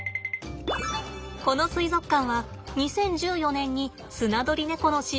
この水族館は２０１４年にスナドリネコの飼育を始めました。